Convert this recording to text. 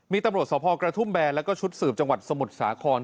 มีตำรวจสพกระทุ่มแบนแล้วก็ชุดสืบจังหวัดสมุทรสาคร